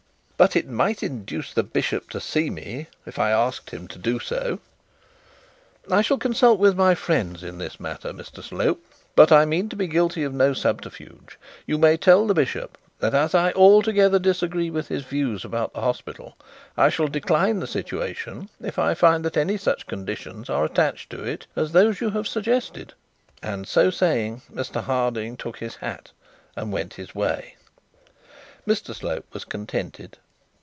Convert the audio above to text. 'But it might induce the bishop to see me, if I asked him to do so. I shall consult my friends in this matter, Mr Slope; but I mean to be guilty of no subterfuge, you may tell the bishop that as I altogether disagree with his views about the hospital, I shall decline the situation if I find that any such conditions are attached to it as those you have suggested;' and so saying, Mr Harding took his hat and went his way. Mr Slope was contented.